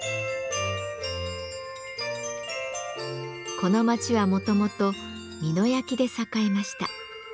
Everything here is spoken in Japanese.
この町はもともと美濃焼で栄えました。